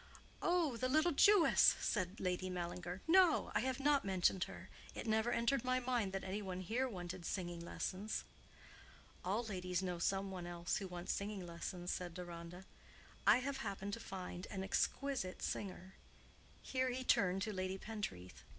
"Oh, the little Jewess!" said Lady Mallinger. "No, I have not mentioned her. It never entered my head that any one here wanted singing lessons." "All ladies know some one else who wants singing lessons," said Deronda. "I have happened to find an exquisite singer,"—here he turned to Lady Pentreath.